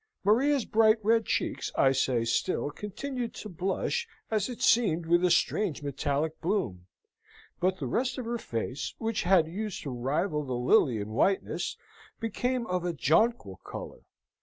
Maria's bright red cheeks, I say still, continued to blush as it seemed with a strange metallic bloom: but the rest of her face, which had used to rival the lily in whiteness, became of a jonquil colour.